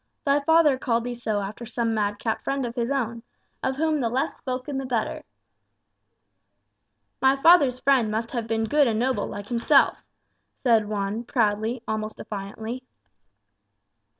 Thy father called thee so after some madcap friend of his own, of whom the less spoken the better." "My father's friend must have been good and noble, like himself," said Juan proudly, almost defiantly.